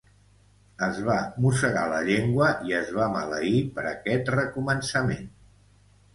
Es va mossegar la llengua i es va maleir per aquest recomençament.